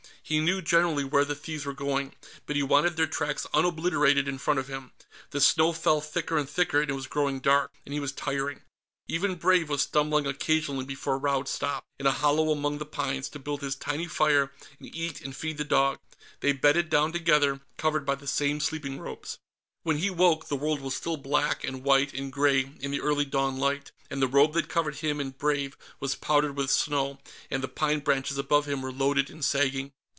He knew, generally, where the thieves were going, but he wanted their tracks unobliterated in front of him. The snow fell thicker and thicker, and it was growing dark, and he was tiring. Even Brave was stumbling occasionally before Raud stopped, in a hollow among the pines, to build his tiny fire and eat and feed the dog. They bedded down together, covered by the same sleeping robes. When he woke, the world was still black and white and gray in the early dawn light, and the robe that covered him and Brave was powdered with snow, and the pine branches above him were loaded and sagging.